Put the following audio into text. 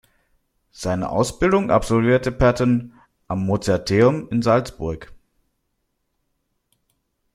Seine Ausbildung absolvierte Patton am Mozarteum in Salzburg.